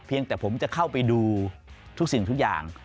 ยังแต่ผมจะเข้าไปดูทุกสิ่งทุกอย่าง